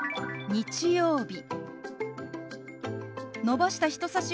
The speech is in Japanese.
日曜日。